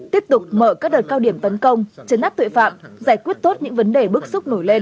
tiếp tục mở các đợt cao điểm tấn công chấn áp tội phạm giải quyết tốt những vấn đề bức xúc nổi lên